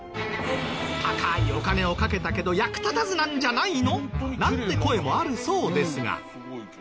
「高いお金をかけたけど役立たずなんじゃないの？」なんて声もあるそうですが。